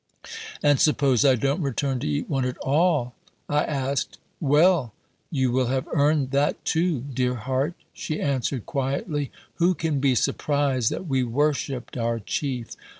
"And suppose I don't return to eat one at all?" I asked. "Well! you will have earned that too, dear heart," she answered quietly. Who can be surprised that we worshipped our Chief?